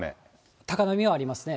高波はありますね。